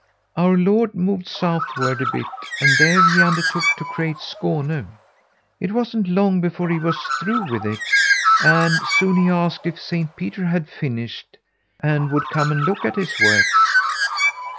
"Our Lord moved southward a bit, and there he undertook to create Skåne. It wasn't long before he was through with it, and soon he asked if Saint Peter had finished, and would come and look at his work.